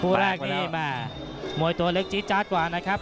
ตอนเรื่องเลยแหม่มย้อโตเล็กเจี๊ดเจาะกว่างนัพครับ